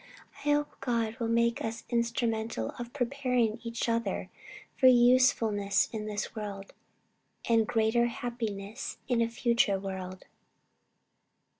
I hope God will make us instrumental of preparing each other for usefulness in this world, and greater happiness in a future world."